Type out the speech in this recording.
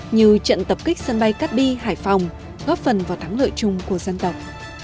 như trận tập kích sân bay cát bi hải phòng góp phần vào thắng lợi chung của dân tộc